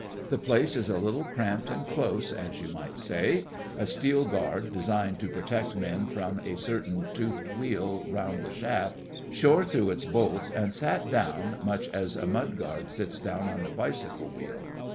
The place is a little cramped and close, as you might say. A steel guard, designed to protect men from a certain toothed wheel round the shaft, shore through its bolts and sat down, much as a mudguard sits down on a bicycle wheel.